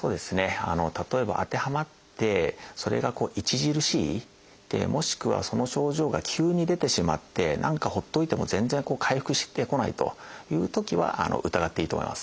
例えば当てはまってそれが著しいもしくはその症状が急に出てしまって何かほっといても全然回復してこないというときは疑っていいと思います。